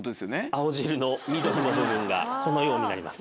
青汁の緑の部分がこのようになります。